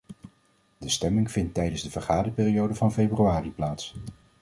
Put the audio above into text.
De stemming vindt tijdens de vergaderperiode van februari plaats.